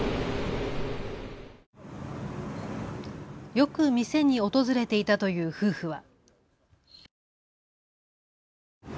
よく店に訪れていたという夫婦は。